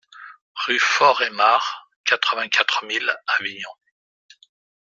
Rue Faure Aymard, quatre-vingt-quatre mille Avignon